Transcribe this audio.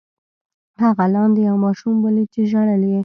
هغه لاندې یو ماشوم ولید چې ژړل یې.